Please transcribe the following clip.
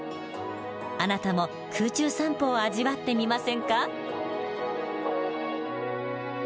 あなたも空中散歩を味わってみませんか？